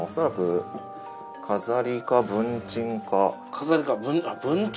飾りかあっ文鎮。